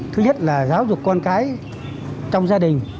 thứ nhất là giáo dục con cái trong gia đình